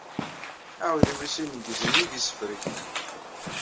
Aɛidiw-is ineggez nnig isefreg.